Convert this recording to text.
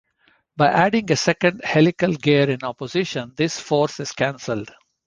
By adding a second helical gear in opposition, this force is cancelled.